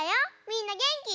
みんなげんき？